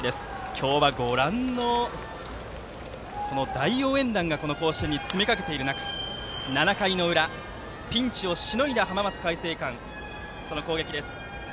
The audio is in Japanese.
今日は大応援団が甲子園に詰め掛けている中７回の裏、ピンチをしのいだ浜松開誠館の攻撃です。